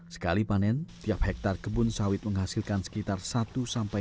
sekali panen tiap hektar kebun sawit menghasilkan sekitar satu dua ton per kebun sawit